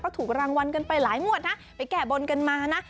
ถูกรางวัลกันไปหลายงวดนะไปแก้บนกันมานะ